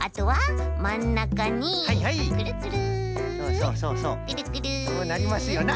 そうなりますよな。